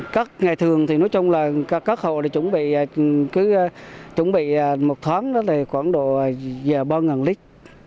các ngày thường thì nói chung là các hộ chuẩn bị một tháng là khoảng độ ba lít